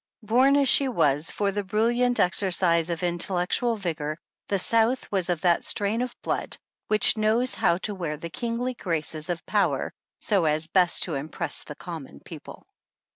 Bom as she was for the brilliant exercise of intellectual vigor, the South was of that strain of blood which knows how to wear the kingly graces of power so as best to impress the common people."